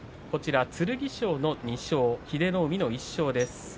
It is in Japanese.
剣翔の２勝英乃海の１勝です。